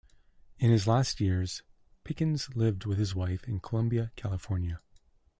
In his last years, Pickens lived with his wife in Columbia, California.